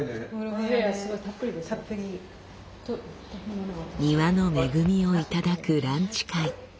庭の恵みを頂くランチ会。